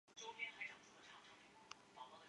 假钻毛蕨为骨碎补科假钻毛蕨属下的一个种。